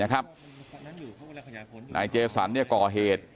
กลุ่มตัวเชียงใหม่